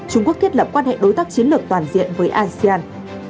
trung quốc thiết lập quan hệ đối tác chiến lược toàn diện với asean